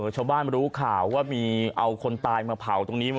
ชาวบ้านรู้ข่าวว่ามีเอาคนตายมาเผาตรงนี้